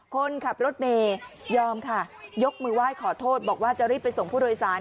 คนขับรถเมย์ยอมค่ะยกมือไหว้ขอโทษบอกว่าจะรีบไปส่งผู้โดยสาร